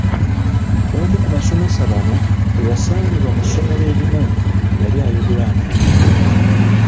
Omu ku basomesa bano eyasangibwa mu ssomero erimu yali ayogera ananaagira.